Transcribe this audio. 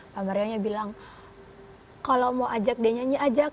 pak mario nya bilang kalau mau ajak dia nyanyi ajak